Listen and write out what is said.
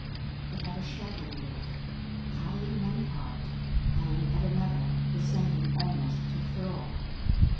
It had a shelving roof; high in one part, and at another descending almost to the floor.